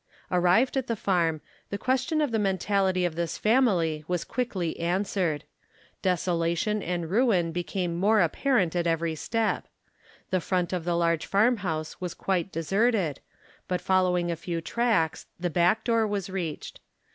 Arrived at the farm, the question of the mentality of this family was quickly answered. Desolation and ruin became more apparent at every step. The front of the large farmhouse was quite deserted, but follow 90 THE KALLIKAK FAMILY ing a few tracks the back door was reached.